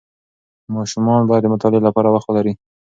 ماشومان باید د مطالعې لپاره وخت ولري.